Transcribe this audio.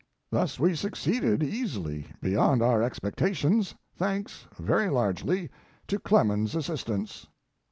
Thus we succeeded easily beyond our expectations, thanks, very largely, to Clemens's assistance.